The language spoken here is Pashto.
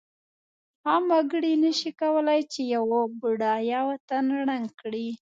عام وګړی نشی کولای چې یو بډایه وطن ړنګ کړی.